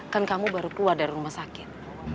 kan kamu baru keluar dari rumah sakit